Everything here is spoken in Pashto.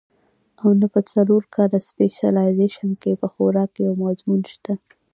او نۀ پۀ څلور کاله سپېشلائزېشن کښې پۀ خوراک يو مضمون شته